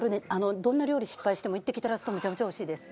どんな料理失敗しても１滴垂らすとめちゃめちゃおいしいです。